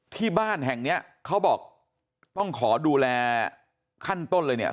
ที่บ้านแห่งเนี้ยเขาบอกต้องขอดูแลขั้นต้นเลยเนี่ย